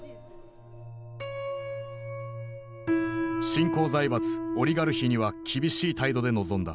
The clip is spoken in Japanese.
新興財閥オリガルヒには厳しい態度で臨んだ。